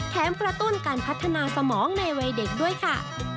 กระตุ้นการพัฒนาสมองในวัยเด็กด้วยค่ะ